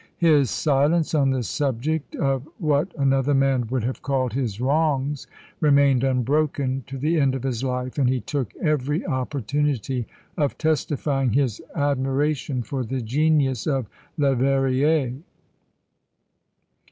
His silence on the subject of what another man would have called his wrongs remained unbroken to the end of his life; and he took every opportunity of testifying his admiration for the genius of Leverrier.